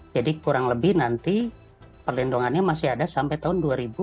jadi kurang lebih nanti perlindungannya masih ada sampai tahun dua ribu dua puluh delapan